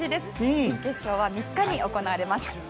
準決勝は３日に行われます。